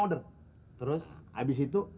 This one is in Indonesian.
terus abis itu